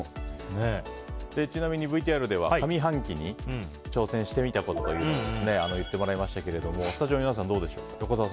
ちなみにＶＴＲでは上半期に挑戦してみたことを言ってもらいましたけれどもスタジオの皆さん、どうでしょう。